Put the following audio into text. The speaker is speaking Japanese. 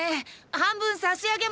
半分差し上げますよ。